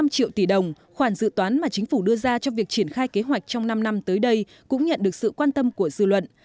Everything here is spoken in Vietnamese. năm triệu tỷ đồng khoản dự toán mà chính phủ đưa ra trong việc triển khai kế hoạch trong năm năm tới đây cũng nhận được sự quan tâm của dư luận